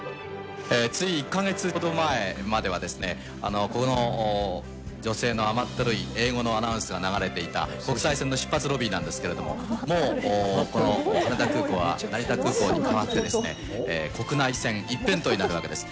つい１か月ほど前まではですね、この女性の甘ったるい英語のアナウンスが流れていた国際線の出発ロビーなんですけれども、もうこの羽田空港は成田空港に代わってですね、国内線一辺倒になるわけです。